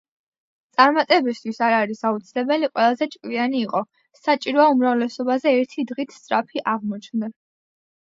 წარმატებისთვის არ არის აუცილებელი ყველაზე ჭკვიანი იყო, საჭიროა, უმრავლესობაზე ერთი დღით სწრაფი აღმოჩნდე.”